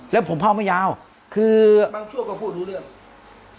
แล้วผมเผาไม่ยาวคือบางช่วงก็พูดรู้เรื่อง